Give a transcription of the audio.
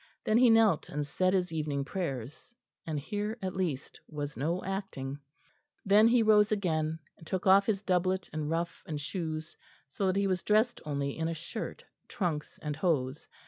Then he knelt and said his evening prayers, and here at least was no acting. Then he rose again and took off his doublet and ruff and shoes so that he was dressed only in a shirt, trunks and hose.